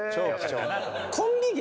コンビ芸？